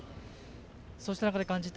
そうした中で感じた